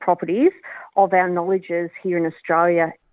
kepentingan kepentingan kita di australia